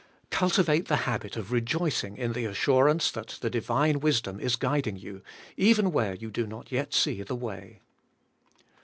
Cultivate the habit of rejoicing in the assurance that the Divine wisdom is guiding you even where you do not yet see the way.